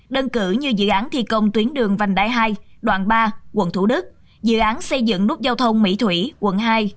đơn cử như dự án thi công tuyến đường vành đại hai đoạn ba quận thủ đức dự án xây dựng nút giao thông mỹ thủy quận hai